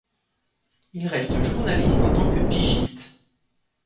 Il reste journaliste en tant que pigiste.